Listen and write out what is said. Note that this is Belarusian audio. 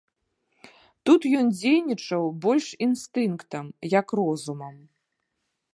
Тут ён дзейнічаў больш інстынктам, як розумам.